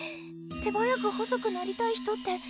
手早く細くなりたい人って。